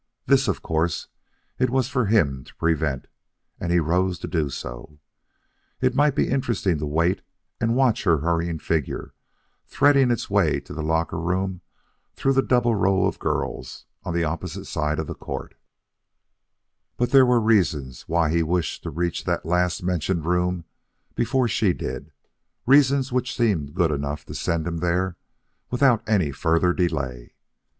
This, of course, it was for him to prevent, and he rose to do so. It might be interesting to wait and watch her hurrying figure threading its way to the locker room through the double row of girls on the opposite side of the court; but there were reasons why he wished to reach that last mentioned room before she did; reasons which seemed good enough to send him there without any further delay.